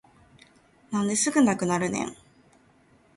なんですぐなくなるねん